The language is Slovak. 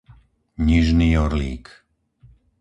Nižný Orlík